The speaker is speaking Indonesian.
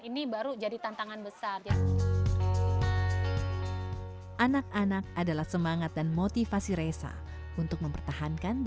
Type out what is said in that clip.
ini baru jadi tantangan besar anak anak adalah semangat dan motivasi resa untuk mempertahankan